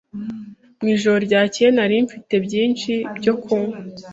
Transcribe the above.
Mu ijoro ryakeye nari mfite byinshi byo kunywa.